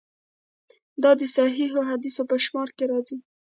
دا د صحیحو حدیثونو په شمار کې راځي.